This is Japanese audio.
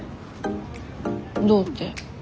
どうって？